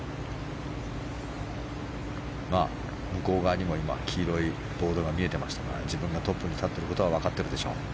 向こう側にも黄色いボードが見えてましたから自分がトップに立っていることは分かっているでしょう。